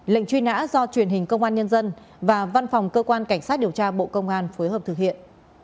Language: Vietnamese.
lệnh truy nã do truyền hình công an nhân dân và văn phòng cơ quan cảnh sát điều tra bộ công an phối hợp thực hiện